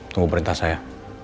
tunggu perintah saya